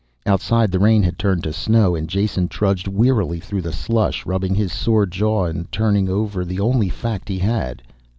Outside the rain had turned to snow and Jason trudged wearily through the slush, rubbing his sore jaw and turning over the only fact he had.